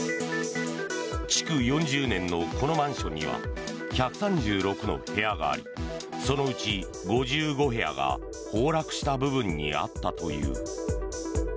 築４０年のこのマンションには１３６の部屋がありそのうち５５部屋が崩落した部分にあったという。